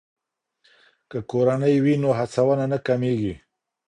که کورنۍ وي نو هڅونه نه کمیږي.